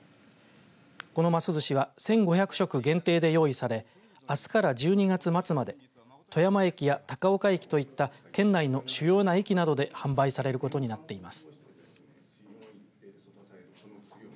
このますずしは１５００食限定で用意されあすから１２月末まで富山駅や高岡駅といった県内の主要な駅などで販売されることになっています。